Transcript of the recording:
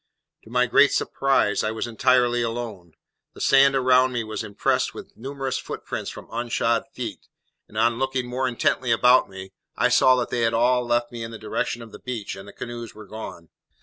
To my great surprise, I was entirely alone. The sand around me was impressed with numerous footprints from unshod feet; and, on looking more intently about me, I saw that they had all left me in the direction of the beach, and the canoes were gone.